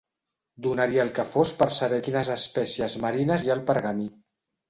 Donaria el que fos per saber quines espècies marines hi ha al pergamí.